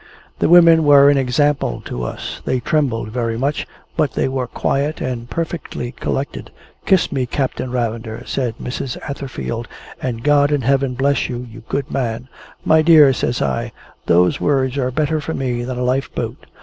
The women were an example to us. They trembled very much, but they were quiet and perfectly collected. "Kiss me, Captain Ravender," says Mrs. Atherfield, "and God in heaven bless you, you good man!" "My dear," says I, "those words are better for me than a life boat."